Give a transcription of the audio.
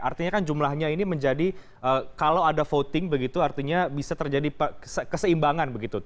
artinya kan jumlahnya ini menjadi kalau ada voting begitu artinya bisa terjadi keseimbangan begitu